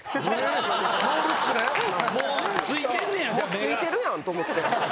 ついてるやん！と思って。